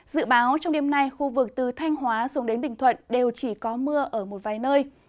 dự báo trong đêm nay khu vực từ thanh hóa xuống đến bình thuận đều chỉ có mưa ở một vài nơi